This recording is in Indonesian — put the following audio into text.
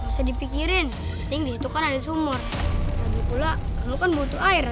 sampai jumpa di video selanjutnya